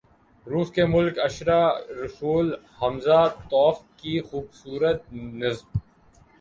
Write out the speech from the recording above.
روس کے ملک الشعراء “رسول ھمزہ توف“ کی خوبصورت نظم